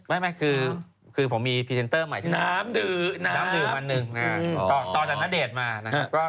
ไม่คือผมมีพรีเซนเตอร์ใหม่ที่น้ำดื่มอันหนึ่งต่อจากณเดชน์มานะครับ